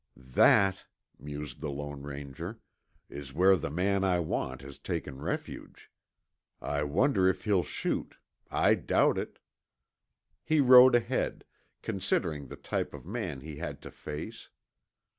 "That," mused the Lone Ranger, "is where the man I want has taken refuge. I wonder if he'll shoot. I doubt it." He rode ahead, considering the type of man he had to face.